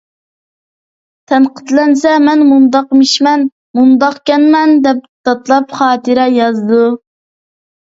تەنقىدلەنسە مەن مۇنداقمىشمەن، مۇنداقكەنمەن دەپ دادلاپ خاتىرە يازىدۇ.